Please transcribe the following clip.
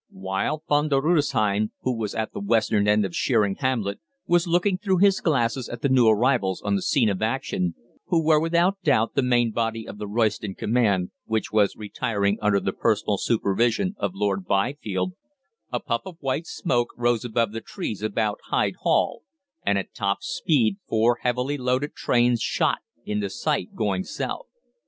While Von der Rudesheim, who was at the western end of Sheering hamlet, was looking through his glasses at the new arrivals on the scene of action who were without doubt the main body of the Royston command, which was retiring under the personal supervision of Lord Byfield a puff of white smoke rose above the trees about Hyde Hall, and at top speed four heavily loaded trains shot into sight going south.